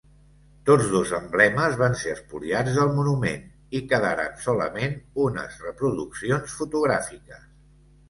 Tots dos emblemes van ser espoliats del monument, i quedaren solament unes reproduccions fotogràfiques.